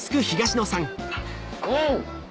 うん！